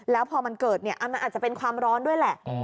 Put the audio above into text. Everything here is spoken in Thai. แล้วพอมันเกิดอาจจะเป็นความร้อนด้วยแหละ